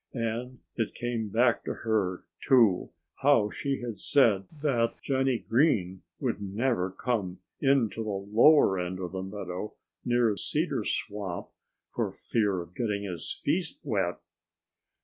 And it came back to her, too, how she had said that Johnnie Green would never come into the lower end of the meadow, near Cedar Swamp, for fear of getting his feet wet.